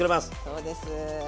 そうです。